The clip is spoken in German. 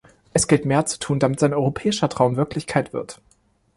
Es gilt mehr zu tun, damit sein europäischer Traum Wirklichkeit wird.